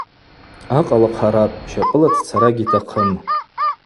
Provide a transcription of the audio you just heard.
Акъала хъарапӏ, щапӏыла дцара гьитахъым.